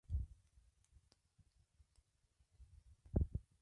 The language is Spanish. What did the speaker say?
No se ha identificado al personaje de este retrato.